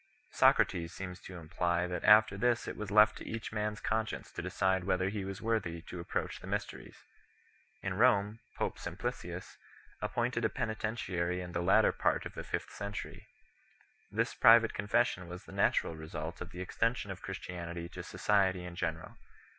Socrates 3 seems to imply that after this it was left to each man s conscience to decide whether he was worthy to approach the mysteries. In Kome, pope Sim plicius appointed a penitentiary in the latter part of the fifth century. This private confession was the natural result of the extension of Christianity to society in general.